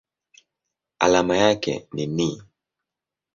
Alama yake ni Ni.